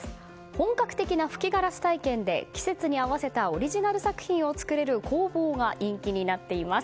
本格的な吹きガラス体験で季節に合わせたオリジナル作品を作れる工房が人気になっています。